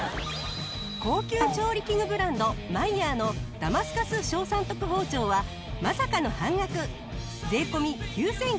高級調理器具ブランドマイヤーのダマスカス小三徳包丁はまさかの半額税込９９００円！